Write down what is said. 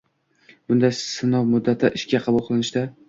Bunday sinov muddati ishga qabul qilishda